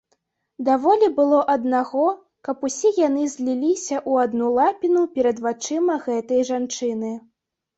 Даволі было аднаго, каб усе яны зліліся ў адну лапіну перад вачыма гэтай жанчыны.